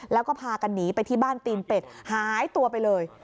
แล้วก็พากันหนีไปที่บ้านตีนเป็ดหายตัวไปเลย